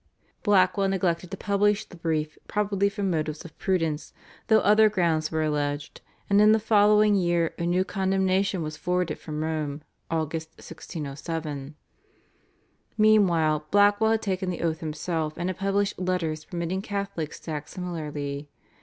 Blackwell neglected to publish the brief probably from motives of prudence, though other grounds were alleged, and in the following year a new condemnation was forwarded from Rome (Aug. 1607). Meanwhile Blackwell had taken the oath himself, and had published letters permitting Catholics to act similarly.